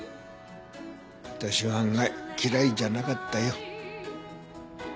私は案外嫌いじゃなかったよ。